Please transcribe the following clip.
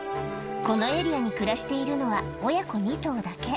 このエリアに暮らしているのは親子２頭だけ。